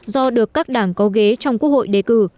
do được các đảng có ghế trong quốc hội đề cử